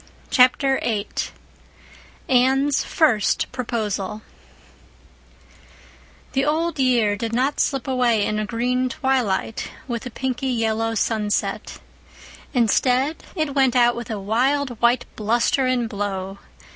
Chapter VIII Anne's First Proposal The old year did not slip away in a green twilight, with a pinky yellow sunset. Instead, it went out with a wild, white bluster and blow.